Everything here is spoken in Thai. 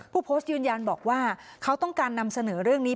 ผู้โพสต์ยืนยันบอกว่าเขาต้องการนำเสนอเรื่องนี้